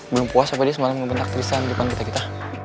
belum puas apa dia semalam ngebandak tristan di depan kita kita